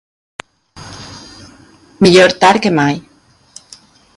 Millor tard que mai.